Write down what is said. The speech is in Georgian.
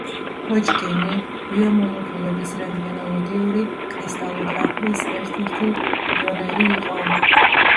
ჰოჯკინი ბიომოლეკულების რენტგენოლოგიური კრისტალოგრაფიის ერთ-ერთი პიონერი იყო.